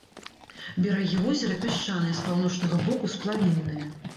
Берагі возера пясчаныя, з паўночнага боку сплавінныя.